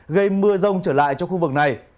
gây mưa rông trở lại cho khu vực này